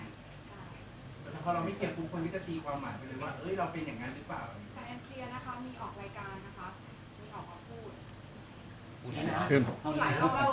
นั่นคนเดียวครับ